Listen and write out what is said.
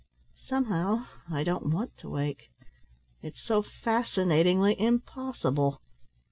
Somehow I don't want to wake, it is so fascinatingly impossible."